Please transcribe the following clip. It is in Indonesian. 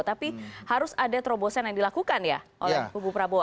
tapi harus ada terobosan yang dilakukan ya oleh kubu prabowo